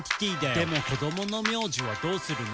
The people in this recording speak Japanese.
「でも子供の名字はどうするの？」